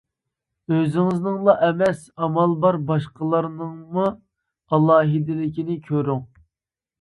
ئۆزىڭىزنىڭلا ئەمەس، ئامال بار باشقىلارنىڭمۇ ئالاھىدىلىكىنى كۆرۈڭ.